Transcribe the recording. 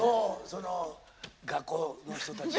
その学校の人たち。